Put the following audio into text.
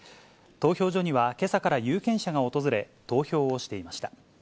投票所にはけさから有権者が訪れ、投票をしていました。